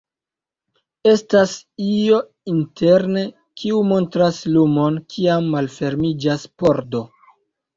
Estas io interne, kiu montras lumon kiam malfermiĝas pordo.